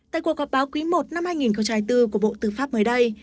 tại cuộc họp báo quý i năm hai nghìn bốn của bộ tư pháp mới đây